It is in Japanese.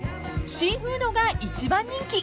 ［シーフードが一番人気］